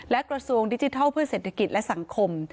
และกระทรวงดิจิทัลเพื่อเศรษฐกิจและสังคม